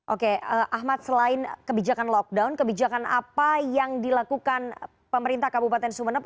oke ahmad selain kebijakan lockdown kebijakan apa yang dilakukan pemerintah kabupaten sumeneb